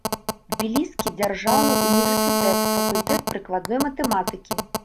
Тбіліскі дзяржаўны ўніверсітэт, факультэт прыкладной матэматыкі.